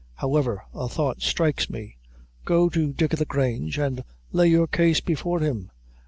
However, a thought strikes me. Go to Dick o' the Grange, and lay your case before him.